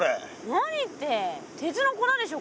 何って鉄の粉でしょ